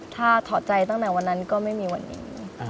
ถ้าถอดใจตั้งแต่วันนั้นก็ไม่มีวันนี้